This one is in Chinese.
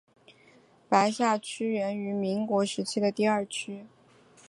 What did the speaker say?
白下区源于民国时期的第二区。